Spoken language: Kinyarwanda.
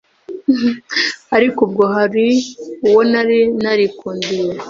ariko ubwo hari uwo nari narikundiye